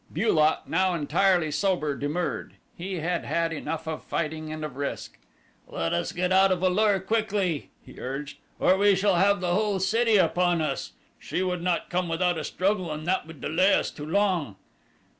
Bu lot, now entirely sober, demurred. He had had enough of fighting and of risk. "Let us get out of A lur quickly," he urged, "or we shall have the whole city upon us. She would not come without a struggle and that would delay us too long."